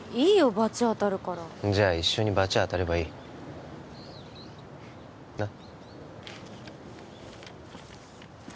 罰当たるからじゃ一緒に罰当たればいいなっ？